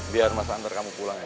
biar mas antar kamu pulang ya